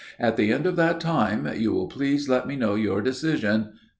At the end of that time you will please let me know your decision."